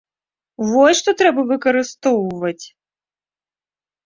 Вось, што трэба выкарыстоўваць!